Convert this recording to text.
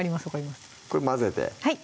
これ混ぜてはい